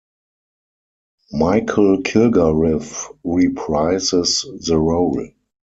Michael Kilgarriff reprises the role.